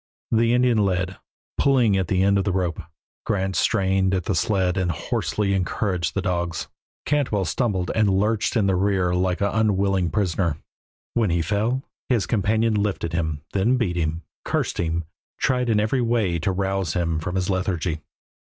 The Indian led, pulling at the end of a rope; Grant strained at the sled and hoarsely encouraged the dogs; Cantwell stumbled and lurched in the rear like an unwilling prisoner. When he fell his companion lifted him, then beat him, cursed him, tried in every way to rouse him from his lethargy.